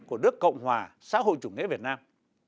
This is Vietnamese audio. của nước cộng hòa xã hội chủ nghĩa việt nam